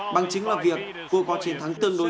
bằng chứng là việc cô có chiến thắng tương lai